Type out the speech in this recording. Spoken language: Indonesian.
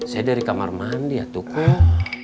saya dari kamar mandi atukum